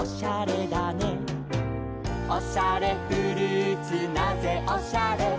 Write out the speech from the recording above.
「おしゃれフルーツなぜおしゃれ」